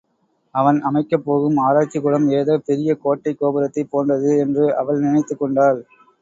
அவன் அமைக்கப் போகும் ஆராய்ச்சிக்கூடம் ஏதோ பெரிய கோட்டைக் கோபுரத்தைப் போன்றது என்று அவள் நினைத்துக் கொண்டாள்.